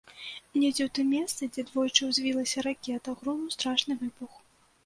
Недзе ў тым месцы, дзе двойчы ўзвілася ракета, грунуў страшны выбух.